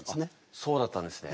そうだったんですね。